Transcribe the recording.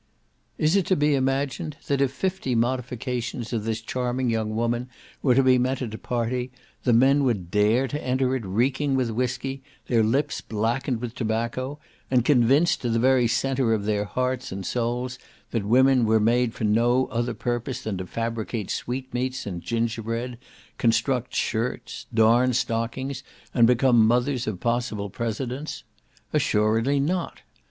Is it to be imagined, that if fifty modifications of this charming young woman were to be met at a party, the men would dare to enter it reeking with whiskey, their lips blackened with tobacco, and convinced, to the very centre of their hearts and souls, that women were made for no other purpose than to fabricate sweetmeats and gingerbread, construct shirts, darn stockings, and become mothers of possible presidents? Assuredly not.